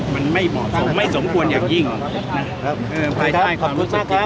มันไม่เหมาะสมไม่สมควรอย่างยิ่งครับครับครับขอบคุณครับครับ